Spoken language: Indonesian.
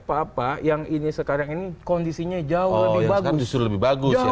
apa apa yang ini sekarang ini kondisinya jauh lebih bagus